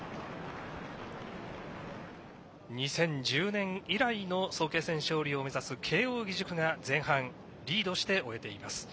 ２０１０年以来の早慶戦勝利を目指す慶応義塾が前半リードして終えています。